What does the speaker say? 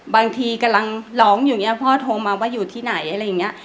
บางทีกำลังร้องอยู่เนี่ยพ่อโทรมาว่าอยู่ที่ไหนอะไรอย่างนี้